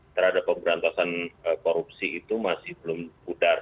terhadap pemberantasan korupsi itu masih belum pudar